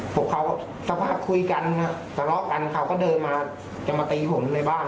พวกเขาสักพักคุยกันทะเลาะกันเขาก็เดินมาจะมาตีผมในบ้าน